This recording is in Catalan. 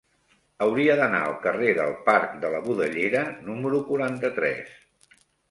Hauria d'anar al carrer del Parc de la Budellera número quaranta-tres.